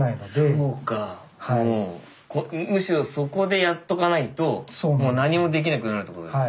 もうむしろそこでやっとかないと何もできなくなるってことですか？